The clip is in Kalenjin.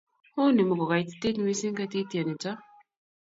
uni mukukaitit mising kaititie nito